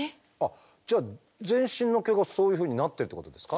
じゃあ全身の毛がそういうふうになってるってことですか？